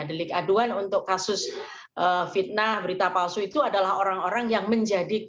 delik aduan untuk kasus fitnah berita palsu itu adalah orang orang yang menjadi